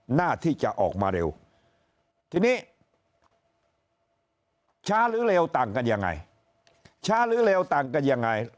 หน้าที่จะออกมาเร็วทีนี้ช้าหรือเลวต่างกันยังไงช้าหรือเลวต่างกันยังไง